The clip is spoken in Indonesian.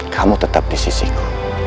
kamu tetap di sisiku